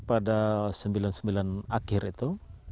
pada seribu sembilan ratus sembilan puluh sembilan akhir itu